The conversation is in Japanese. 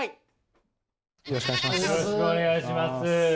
よろしくお願いします。